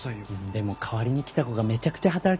でも代わりに来た子がめちゃくちゃ働き者でさぁ。